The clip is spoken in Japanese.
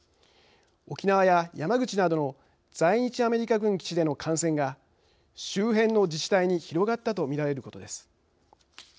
沖縄や山口などの在日アメリカ軍基地での感染が周辺の自治体に広がったとみられることです。